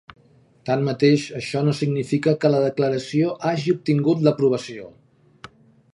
Tanmateix, això no significa que la Declaració hagi obtingut l'aprovació.